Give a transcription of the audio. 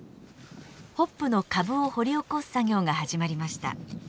ホップの株を掘り起こす作業が始まりました。